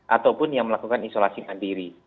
ataupun yang melakukan isolasi mandiri